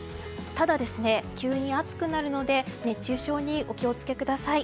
ただ、急に暑くなるので熱中症にお気を付けください。